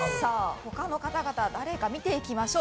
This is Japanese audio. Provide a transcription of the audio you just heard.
他の方々誰か見ていきましょう。